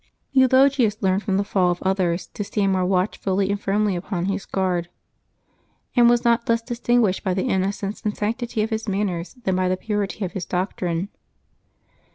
Eulogius learned from the fall of others to stand more watchfully and firmly upon his guard, and was not less distinguished by the innocence and sanctity of his manners than by the purity of his doctrine.